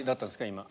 今。